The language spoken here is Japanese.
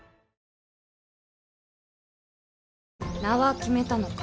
名は決めたのか。